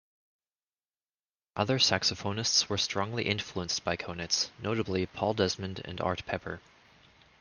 Other saxophonists were strongly influenced by Konitz, notably Paul Desmond and Art Pepper.